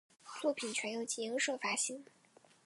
作品全由集英社发行。